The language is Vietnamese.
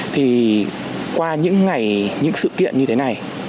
thì qua những ngày những sự kiện như thế này